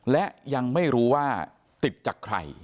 และยังไม่รู้ว่าติดจากใคร